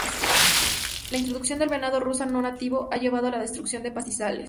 La introducción del venado rusa no nativo ha llevado a la destrucción de pastizales.